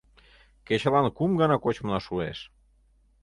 Кечылан кум гана кочмына шуэш.